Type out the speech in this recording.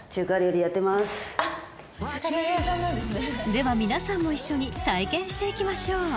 では皆さんも一緒に体験していきましょう］